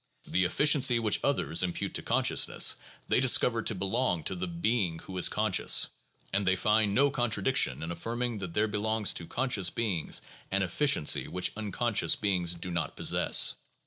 The effi ciency which others impute to consciousness they discover to belong to the being who is conscious; and they find no contra diction in affirming that there belongs to conscious beings an efficiency which unconscious beings do not possess.